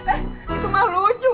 eh itu mah lucu